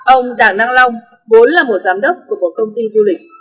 ông đảng năng long vốn là một giám đốc của một công ty du lịch